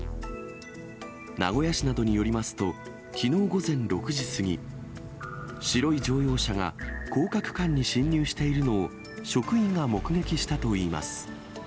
名古屋市などによりますと、きのう午前６時過ぎ、白い乗用車が高架区間に進入しているのを、職員が目撃したといいます。